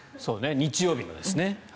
日曜日のですね。